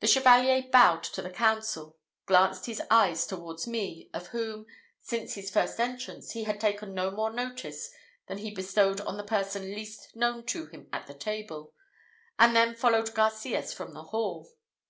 The Chevalier bowed to the council, glanced his eyes towards me, of whom, since his first entrance, he had taken no more notice than he bestowed on the person least known to him at the table, and then followed Garcias from the hall.